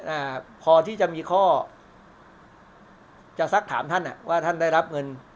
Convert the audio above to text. อ่าพอที่จะมีข้อจะสักถามท่านอ่ะว่าท่านได้รับเงิน